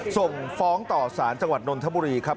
ส่งฟ้องต่อสารจังหวัดนนทบุรีครับ